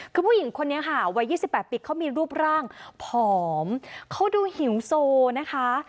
คือผู้หญิงคนนี้ค่ะวัย๒๘ปีเขามีรูปร่างผอมเขาดูหิวโซนะคะ